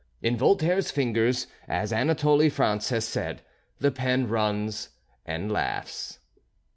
In Voltaire's fingers, as Anatole France has said, the pen runs and laughs.